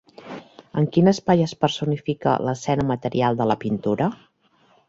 En quin espai es personifica l'escena material de la pintura?